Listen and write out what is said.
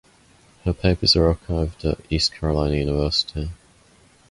Her papers are archived at East Carolina University.